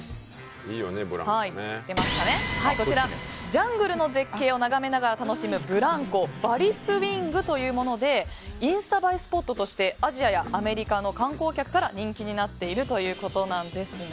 ジャングルの絶景を眺めながら楽しめるブランコバリスイングというものでインスタ映えスポットとしてアジアやアメリカの観光客から人気になっているということです。